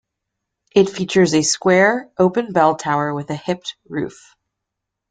It features a square, open bell tower with a hipped roof.